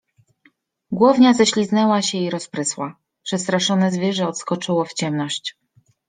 głownia ześliznęła się i rozprysła. Przestraszone zwierzę odskoczyło w ciemność.